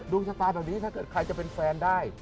ชะตาแบบนี้ถ้าเกิดใครจะเป็นแฟนได้